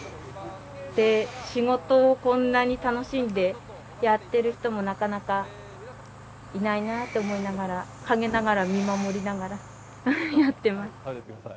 で仕事をこんなに楽しんでやってる人もなかなかいないなと思いながら陰ながら見守りながらやってます。